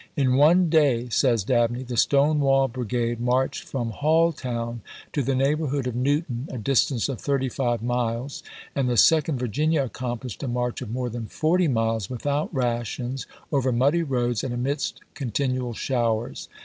In one day, says Dabney, the Stonewall Brigade marched from Halltown to the neighborhood of Newton, a distance of thirty five miles ; and the Second Vir ginia accomphshed a march of more than forty miles without rations, over muddy roads and amidst con tinual showers.